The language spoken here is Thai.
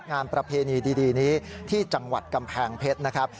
ประเพณีดีนี้ที่จังหวัดกำแพงเพชรนะครับ